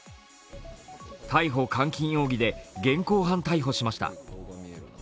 逮捕監禁容疑で現行犯逮捕しました。